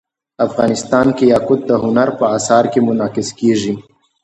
افغانستان کې یاقوت د هنر په اثار کې منعکس کېږي.